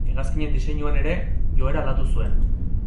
Hegazkinen diseinuan ere joera aldatu zuen.